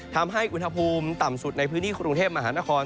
ทำให้อุณหภูมิต่ำสุดในพื้นที่กรุงเทพมหานคร